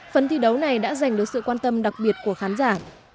phần thi đấu này đã giành được sự quan tâm đặc biệt của khán giả